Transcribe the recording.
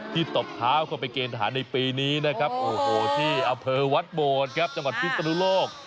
ตบเท้าเข้าไปเกณฑหารในปีนี้นะครับโอ้โหที่อำเภอวัดโบดครับจังหวัดพิศนุโลก